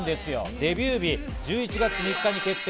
デビュー日、１１月３日に決定。